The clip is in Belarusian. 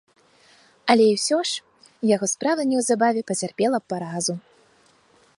Але і ўсё ж, яго справа неўзабаве пацярпела паразу.